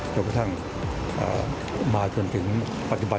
จนกระทั่งมาจนถึงปัจจุบัน